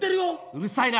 うるさいな！